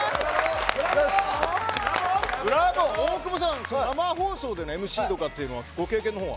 ブラボー大久保さん生放送でＭＣとかっていうのはご経験の方は。